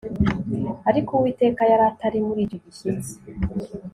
ariko Uwiteka yari atari muri icyo gishyitsi